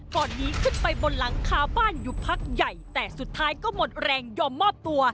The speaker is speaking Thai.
ก่อนหนีขึ้นไปบนหลังคาบ้านอยู่พักใหญ่แต่สุดท้ายก็หมดแรงยอมมอบตัว